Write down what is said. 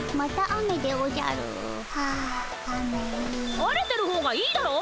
晴れてる方がいいだろ！